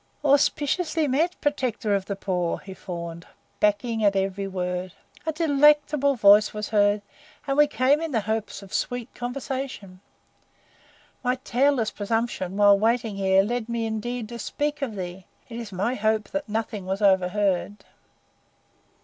"Auspiciously met, Protector of the Poor!" he fawned, backing at every word. "A delectable voice was heard, and we came in the hopes of sweet conversation. My tailless presumption, while waiting here, led me, indeed, to speak of thee. It is my hope that nothing was overheard."